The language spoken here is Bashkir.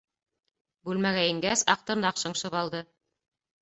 Бүлмәгә ингәс, Аҡтырнаҡ шыңшып алды.